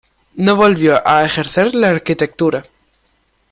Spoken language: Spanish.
No volvió a ejercer la arquitectura.